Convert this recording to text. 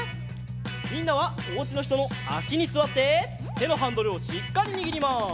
みんなはおうちのひとのあしにすわっててのハンドルをしっかりにぎります。